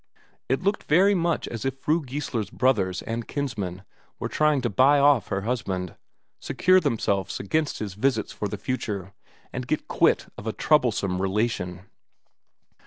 It looked very much as if Fru Geissler's brothers and kinsmen were trying to buy off her husband, secure themselves against his visits for the future, and get quit of a troublesome relation.